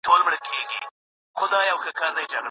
کفن به دي له تور، سره او زرغون بیرغه جوړ کړو